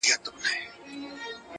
o هر څوک د خپلي لمني اور وژني٫